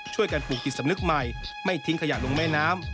ช่วยการปลูกติดสำนึกใหม่ไม่ทิ้งขยะลงแม่น้ำ